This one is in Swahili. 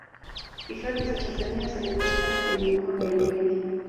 hifadhi za tanzania zinapatikana kwenye mikoa mbalimbali